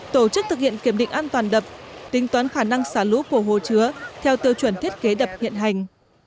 tổ chức thực hiện kiểm định an toàn đập tính toán khả năng xả lũ của hồ chứa theo tiêu chuẩn thiết kế đập hiện hành